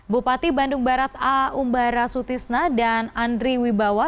bupati bandung barat a umbara sutisna dan andri wibawa